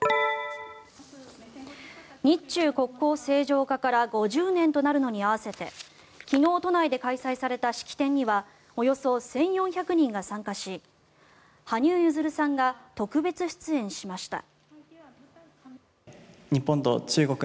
日中国交正常化から５０年となるのに合わせて昨日、都内で開催された式典にはおよそ１４００人が参加し羽生結弦さんが特別出演しました。